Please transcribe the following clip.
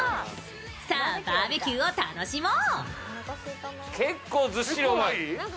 さあバーベキューを楽しもう。